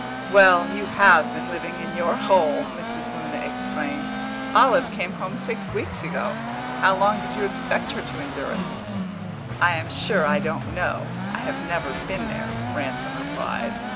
"Well, you have been living in your hole!" Mrs. Luna exclaimed. "Olive came home six weeks ago. How long did you expect her to endure it?" "I am sure I don't know; I have never been there," Ransom replied.